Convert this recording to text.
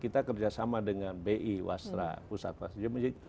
kita kerjasama dengan bi wasra pusat wasra